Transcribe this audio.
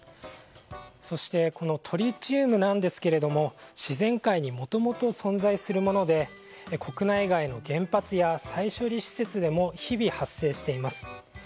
そして、このトリチウムですが自然界にもともと存在するもので国内外の原発や再処理施設でも日々発生しています。